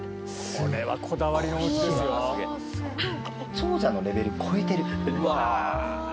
長者のレベル超えてる。